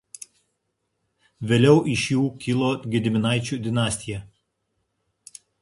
Vėliau iš jų kilo Gediminaičių dinastija.